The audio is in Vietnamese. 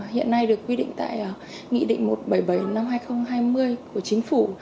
hiện nay được quy định tại nghị định một trăm bảy mươi bảy năm hai nghìn hai mươi của chính phủ